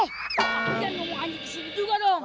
ngejar nolanya anjing disini juga dong